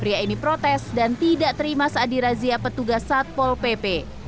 pria ini protes dan tidak terima saat dirazia petugas satpol pp